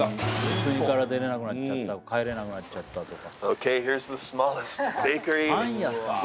国から出られなくなっちゃった帰れなくなっちゃったとか。